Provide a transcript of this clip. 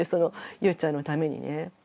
ゆうちゃんのためにね。